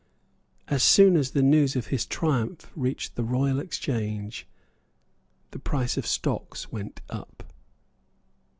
As soon as the news of his triumph reached the Royal Exchange, the price of stocks went up.